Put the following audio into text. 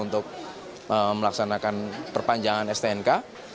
untuk melaksanakan perpanjangan stnk